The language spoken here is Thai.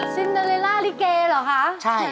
ซินเดอรีล่าลิเก่เหรอคะ